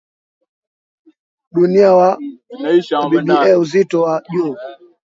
dunia wa wba uzito wa juu